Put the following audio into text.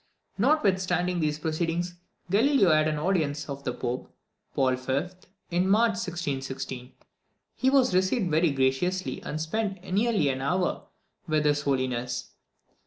Notwithstanding these proceedings, Galileo had an audience of the Pope, Paul V., in March 1616. He was received very graciously, and spent nearly an hour with his Holiness.